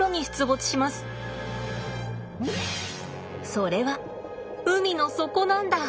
それは海の底なんだ。